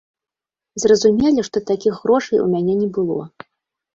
Зразумелі, што такіх грошай у мяне не было.